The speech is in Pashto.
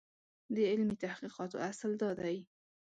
د علمي تحقیقاتو اصل دا دی.